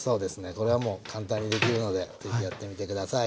これはもう簡単にできるのでぜひやってみて下さい。